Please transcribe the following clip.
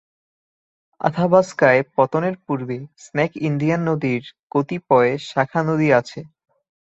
আথাবাস্কায় পতনের পূর্বে snake Indian নদীর কতিপয় শাখা নদী আছে।